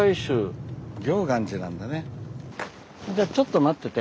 じゃちょっと待ってて。